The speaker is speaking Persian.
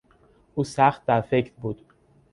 او سخت در فکر بود.